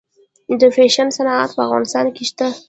د فیشن صنعت په افغانستان کې شته؟